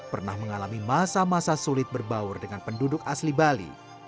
pernah mengalami masa masa sulit berbaur dengan penduduk asli bali